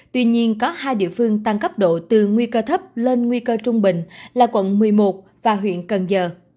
tuy nhiên có hai địa phương tăng cấp độ từ nguy cơ thấp lên nguy cơ trung bình là quận một mươi một và huyện cần giờ